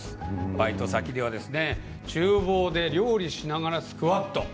バイト先ではちゅう房で料理しながらスクワット。